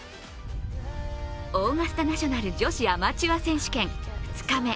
オーガスタナショナル女子アマチュア選手権２日目。